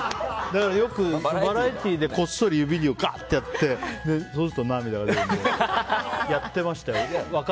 よくバラエティーでこっそり指をガッとやってそうすると涙が出るっていうのをやってましたよ。